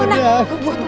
wah kita menang